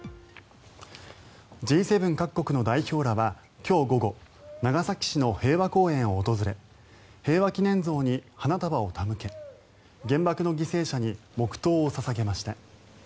Ｇ７各国の代表らは今日午後長崎市の平和公園を訪れ平和祈念像に花束を手向け原爆の犠牲者に黙祷を捧げました。